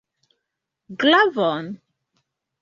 Glavon!